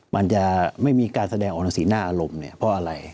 มันจะไม่มีการแสดงออกหนังสือหน้าอารมณ์เนี่ยเพราะอะไร